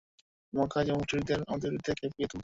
মক্কায় সে মুশরিকদের আমাদের বিরুদ্ধে ক্ষেপিয়ে তুলত।